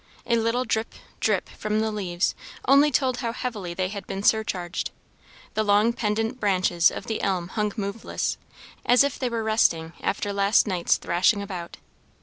A little drip, drip from the leaves only told how heavily they had been surcharged; the long pendent branches of the elm hung moveless, as if they were resting after last night's thrashing about.